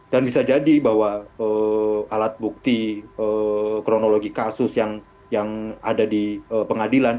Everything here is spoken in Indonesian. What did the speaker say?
dan bisa jadi bahwa alat bukti kronologi kasus yang ada di pengadilan